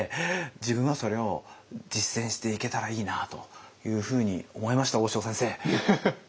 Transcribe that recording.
自分はそれを実践していけたらいいなというふうに思いました大塩先生！